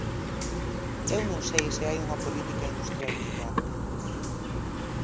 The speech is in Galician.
Eu non sei se hai unha política industrial brillante.